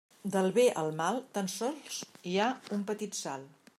Del bé al mal tan sols hi ha un petit salt.